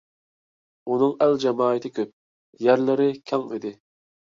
ئۇنىڭ ئەل-جامائىتى كۆپ، يەرلىرى كەڭ ئىدى.